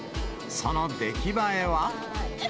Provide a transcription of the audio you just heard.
その出来栄えは？